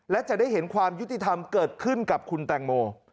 และจะได้เห็นความยุติธรรมเกิดขึ้นกับคุณแตงโม